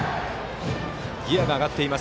ギヤが上がっています